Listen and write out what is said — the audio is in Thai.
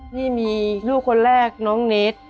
นี่มีลูกคนแรกน้องเนส